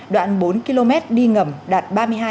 đoạn bốn km đi ngầm đạt ba mươi hai